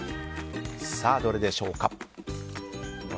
さあ、どれでしょうか？